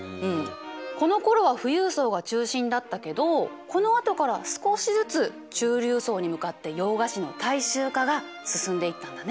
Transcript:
このころは富裕層が中心だったけどこのあとから少しずつ中流層に向かって洋菓子の大衆化が進んでいったんだね。